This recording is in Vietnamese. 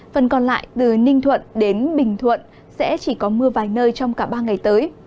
phần còn lại từ ninh thuận đến bình thuận sẽ chỉ có mưa vài nơi trong cả ba ngày tới